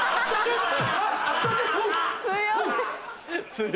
強い！